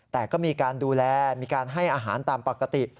แต่ก็มีการดูแลมีการให้อาหารตามปกติ